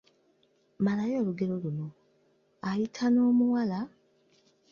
Malayo olugero; Ayita n’omuwala, ……